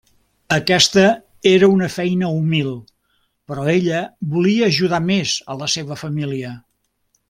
Aquesta era una feina humil, però ella volia ajudar més a la seva família.